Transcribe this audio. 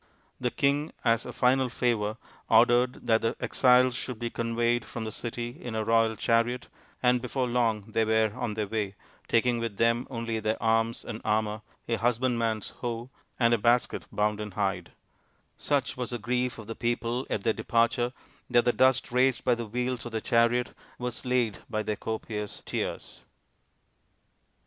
The king, as a final favour, ordered that the exiles should be conveyed from the city in a royal chariot, and before long they were on their 'way, taking with them only their arms and armour, a husbandman's hoe, and a basket bound in hide* Such was the grief of the people at their departure that the dust raised by the wheels of the chariot was laid by their copious tears.